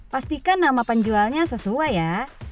pastikan nama penjualnya sesuai ya